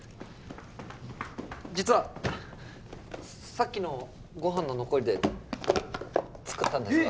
実はさっきのご飯の残りで作ったんですが。